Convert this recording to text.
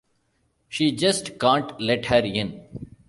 She just can't let her in.